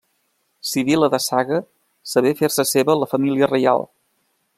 Sibil·la de Saga sabé fer-se seva la família reial.